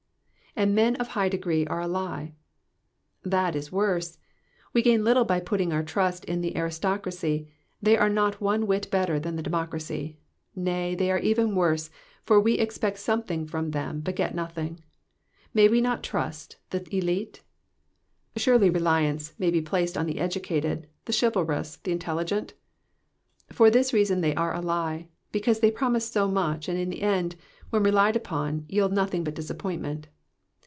^''And men of high degree are a lie."^^ That is worse. We gain little by putting our trust in the aristocracy, they are not one whit better than • the democracy ; nay, they are even worse, for we expect something fiom them, but get nothing. May we not trust the elite f Surely reliance may be placed in the educated, the chivalrous, the intelligent ? For this reason are they a lie ; because they promise so much, and in the end, when relied upon, yield nothing but disappointment.